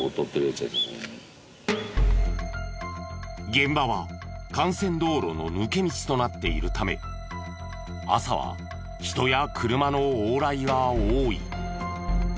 現場は幹線道路の抜け道となっているため朝は人や車の往来が多い。